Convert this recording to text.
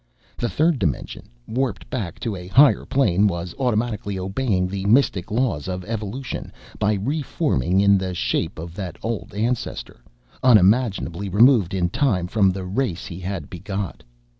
The third dimension, warped back to a higher plane, was automatically obeying the mystic laws of evolution by reforming in the shape of that old ancestor, unimaginably removed in time from the race he had begot.